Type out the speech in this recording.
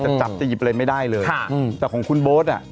จะหยิบไปเลยไม่ได้เลยแต่ของคุณโบ๊ทอ่ะ